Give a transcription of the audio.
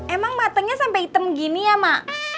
emang matanya sampai hitam gini ya ma